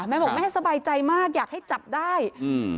แม่บอกแม่สบายใจมากอยากให้จับได้อืม